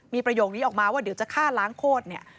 มีประโยคนี้ออกมาว่าเดี๋ยวจะฆ่าล้างโคตรเนี่ย